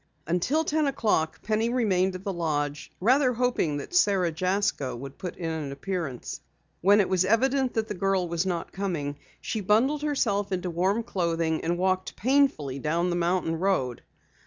Until ten o'clock Penny remained at the lodge, rather hoping that Sara Jasko would put in an appearance. When it was evident that the girl was not coming, she bundled herself into warm clothing and walked painfully down the mountain road.